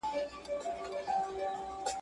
يادوي به د يارانو سفرونه.